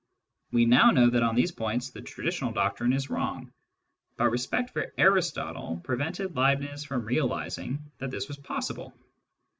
We now know that on these points the traditional doctrine is wrong, but respect for Aristotle prevented Leibniz from realising that this was possible.